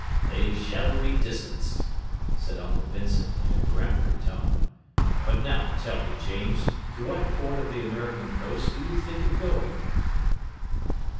"They shall be distanced," said Uncle Vincent, in a peremptory tone; "but now, tell me, James, to what port of the American coast do you think of going?"